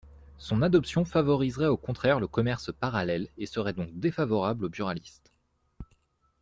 Son adoption favoriserait au contraire le commerce parallèle et serait donc défavorable aux buralistes.